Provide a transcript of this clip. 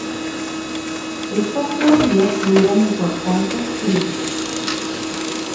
Estas teorías tuvieron importantes críticos.